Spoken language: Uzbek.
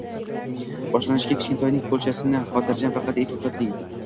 Boshlanishiga kichkintoyning qo‘lchasini xotirjam va qatʼiy to‘xtating